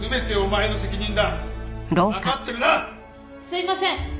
すいません！